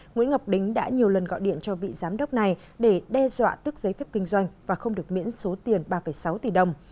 nguyễn ngọc đính đã nhiều lần gọi điện cho vị giám đốc này để đe dọa tức giấy phép kinh doanh và không được miễn số tiền ba sáu tỷ đồng